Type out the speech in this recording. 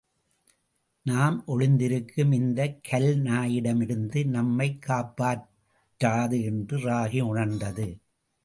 நாம் ஒளிந்திருக்கும் இந்தக் கல் நாயிடமிருந்து நம்மைக் காப்பாற்றாது என்று ராகி உணர்ந்தது.